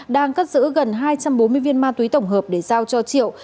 đang cất giữ gần hai trăm bốn mươi viên ma túy tổng hợp để giao cho triệu